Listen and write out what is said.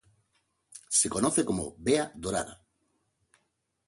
Se conoce como "bea dorada".